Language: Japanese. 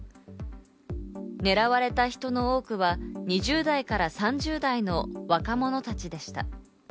狙われた人の多くは２０代から３０代の若者たちでした。